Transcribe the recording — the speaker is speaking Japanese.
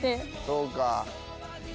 そうか。